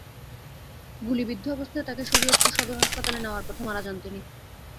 গুলিবিদ্ধ অবস্থায় তাঁকে শরীয়তপুর সদর হাসপাতালে নেওয়ার পথে মারা যান তিনি।